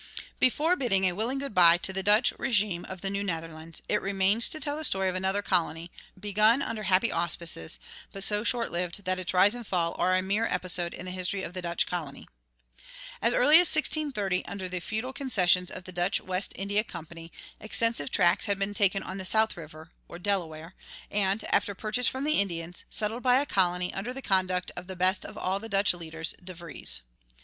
Before bidding a willing good bye to the Dutch régime of the New Netherlands, it remains to tell the story of another colony, begun under happy auspices, but so short lived that its rise and fall are a mere episode in the history of the Dutch colony. As early as 1630, under the feudal concessions of the Dutch West India Company, extensive tracts had been taken on the South River, or Delaware, and, after purchase from the Indians, settled by a colony under the conduct of the best of all the Dutch leaders, De Vries.